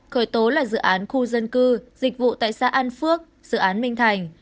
khởi tố là dự án khu dân cư dịch vụ tại xã an phước dự án minh thành